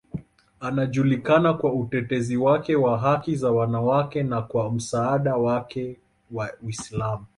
Anajulikana kwa utetezi wake wa haki za wanawake na kwa msaada wake wa Uislamu.